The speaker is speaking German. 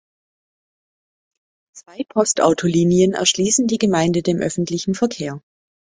Zwei Postautolinien erschliessen die Gemeinde dem öffentlichen Verkehr.